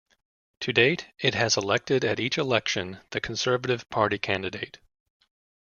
To date it has elected at each election the Conservative Party candidate.